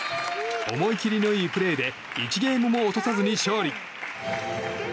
思い切りのいいプレーで１ゲームも落とさずに勝利。